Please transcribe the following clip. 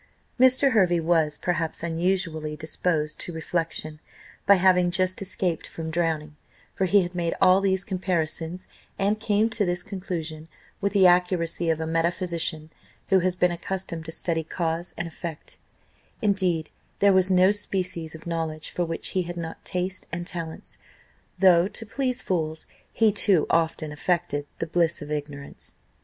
Mr. Hervey was, perhaps unusually, disposed to reflection, by having just escaped from drowning; for he had made all these comparisons, and came to this conclusion, with the accuracy of a metaphysician, who has been accustomed to study cause and effect indeed there was no species of knowledge for which he had not taste and talents, though, to please fools, he too often affected "the bliss of ignorance."